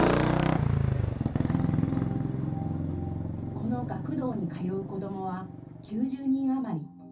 この学童に通う子どもは９０人余り。